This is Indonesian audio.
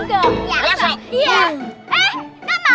eh enggak mau